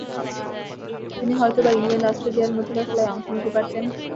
তিনি হয়তোবা ইংল্যান্ড-অস্ট্রেলিয়ার মধ্যকার খেলায় অংশ নিতে পারতেন।